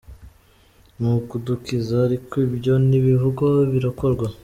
Ni ukudukiza, ariko ibyo ntibivugwa birakorwa.